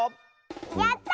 やった！